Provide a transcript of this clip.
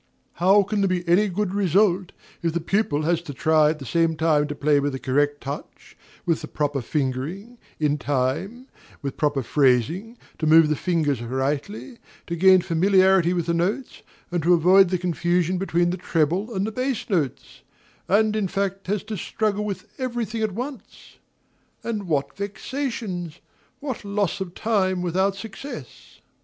How can there be any good result, if the pupil has to try at the same time to play with a correct touch, with the proper fingering, in time, with proper phrasing, to move the fingers rightly, to gain familiarity with the notes, and to avoid the confusion between the treble and the bass notes, and in fact has to struggle with every thing at once? And what vexations! what loss of time without success!